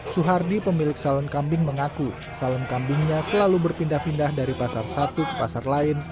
suhardi pemilik salon kambing mengaku salon kambingnya selalu berpindah pindah dari pasar satu ke pasar lain